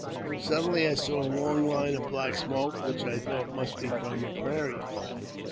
Suddenly I saw a long line of black smoke, which I thought must be from a prairie fire.